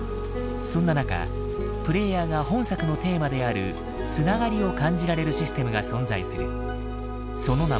そんな中プレイヤーが本作のテーマである繋がりを感じられるシステムが存在する。